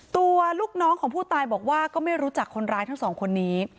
ตัวลูกน้องของผู้ตายบอกว่าก็ไม่รู้จักคนร้ายทั้งสองคนนี้